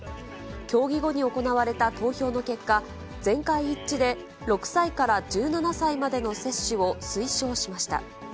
協議後に行われた投票の結果、全会一致で、６歳から１７歳までの接種を推奨しました。